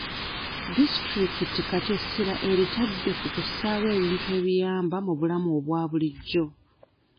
Disitulikiti kati essira eritadde ku kussaawo ebintu ebiyamba mu bulamu obwa bulijjo.